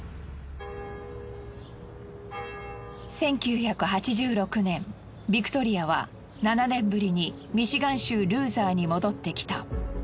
１９８６年ビクトリアは７年ぶりにミシガン州ルーザーに戻ってきた。